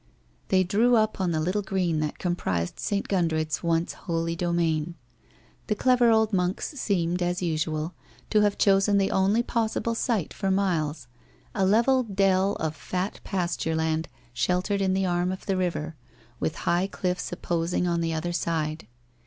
They drew up on the little green that comprised St. Gundred's once holy domain. The clever old monks seemed, as usual, to have chosen the only possible site for miles, a level dell of fat pasture land sheltered in the arm of the river, with high cliffs opposing on the other side.